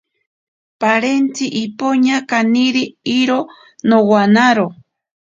Parentzi ipoña kaniri iro nowanaro.